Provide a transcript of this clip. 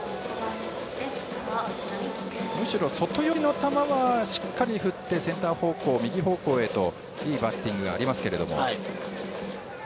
むしろ外寄りの球はしっかり振ってセンター方向、右方向へといいバッティングがありますが。